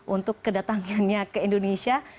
untuk kedatangannya ke indonesia